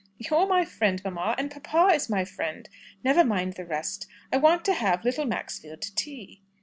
"You're my friend, mamma. And papa is my friend. Never mind the rest. I want to have little Maxfield to tea."